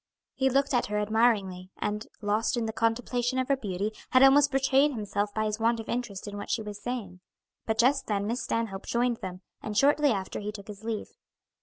He looked at her admiringly, and, lost in the contemplation of her beauty, had almost betrayed himself by his want of interest in what she was saying. But just then Miss Stanhope joined them, and shortly after he took his leave.